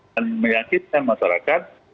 dan meyakinkan masyarakat